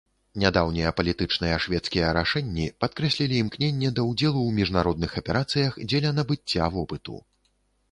Нядаўнія палітычныя шведскія рашэння падкрэслілі імкненне да ўдзелу ў міжнародных аперацыях дзеля набыцця вопыту.